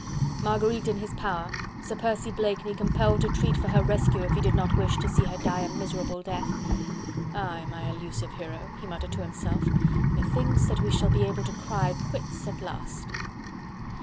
Marguerite in his power. Sir Percy Blakeney compelled to treat for her rescue if he did not wish to see her die a miserable death. "Aye! my elusive hero," he muttered to himself, "methinks that we shall be able to cry quits at last."